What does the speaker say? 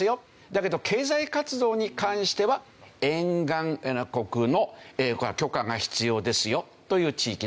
だけど経済活動に関しては沿岸国の許可が必要ですよという地域だという事ですね。